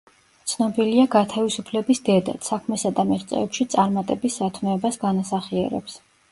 ცნობილია „გათავისუფლების დედად“; საქმესა და მიღწევებში წარმატების სათნოებას განასახიერებს.